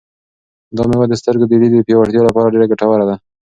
دا مېوه د سترګو د لید د پیاوړتیا لپاره ډېره ګټوره ده.